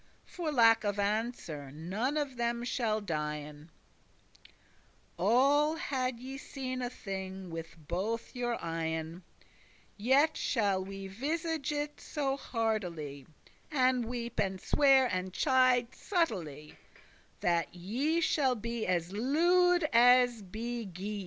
For lack of answer, none of them shall dien. All* had ye seen a thing with both your eyen, *although Yet shall *we visage it* so hardily, *confront it* And weep, and swear, and chide subtilly, That ye shall be as lewed* as be geese.